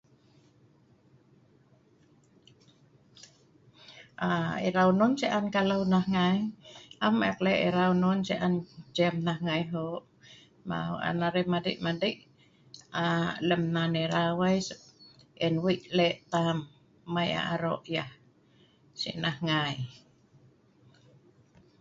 Erau non si an kalaw nah ngai .am ek lek erau non si an cem nah ngai hok.maw, an arai madei-madei lem nan erau ai en wei lek tam mai aro yah si nah ngai